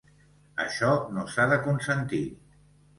Això no s’ha de consentir.